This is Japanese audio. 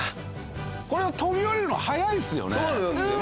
これ飛び降りるの早いですよね。